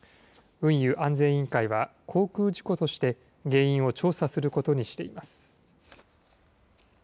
運輸安全委員会は航空事故として原因を調査することにしています。